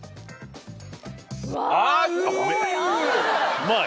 うまい！